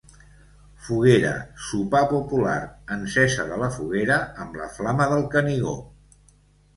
Foguera, sopar popular, encesa de la foguera amb la Flama del Canigó.